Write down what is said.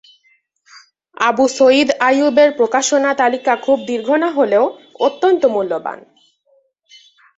আবু সয়ীদ আইয়ুবের প্রকাশনা তালিকা খুব দীর্ঘ না হলেও অত্যন্ত মূল্যবান।